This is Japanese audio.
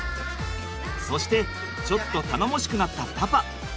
そしてちょっと頼もしくなったパパ。